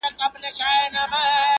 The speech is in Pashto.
خلک يو بل ملامتوي ډېر سخت,